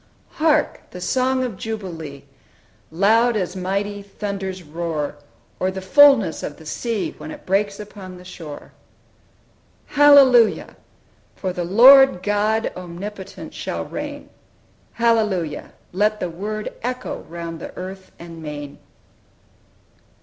"Hark! the song of jubilee, Loud as mighty thunders' roar, Or the fullness of the sea When it breaks upon the shore! "Hallelujah! for the Lord God Omnipotent shall reign! Hallelujah! let the word Echo round the earth and main."